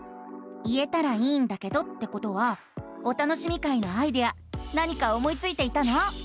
「言えたらいいんだけど」ってことは「お楽しみ会」のアイデア何か思いついていたの？